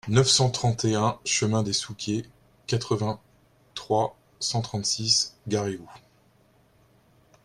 neuf cent trente et un chemin des Souquiers, quatre-vingt-trois, cent trente-six, Garéoult